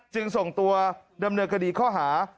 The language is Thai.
จึงส่งตัวดำเนินคดีข้อหา